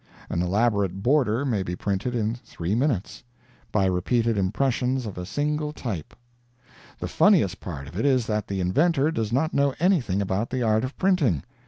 An elaborate "border" may be printed in three minutes, by repeated impressions of a single type. The funniest part of it is that the inventor does not know anything about the art of printing.